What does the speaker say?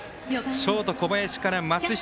ショート、小林から松下。